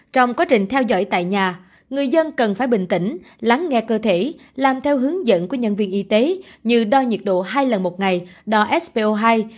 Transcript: trong quá trình theo dõi tại nhà người dân cần phải bình tĩnh lắng nghe cơ thể làm theo hướng dẫn của nhân viên y tế như đo nhiệt độ hai lần một ngày đo spo hai